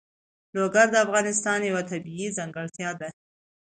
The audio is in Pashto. لوگر د افغانستان یوه طبیعي ځانګړتیا ده.